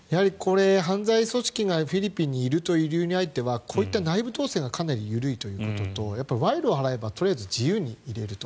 犯罪組織がフィリピンにいる理由はこういった内部統制がかなり緩いということと賄賂を払えばとりあえず自由にいれると。